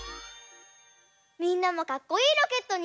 みんなもかっこいいロケットになれた？